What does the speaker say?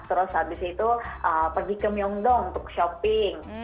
terus habis itu pergi ke myongdong untuk shopping